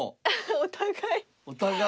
お互いに。